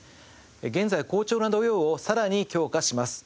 現在好調な土曜をさらに強化します。